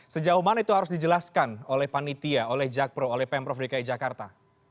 sejauh mana itu harus dijelaskan oleh panitia oleh jakpro oleh pemprov dki jakarta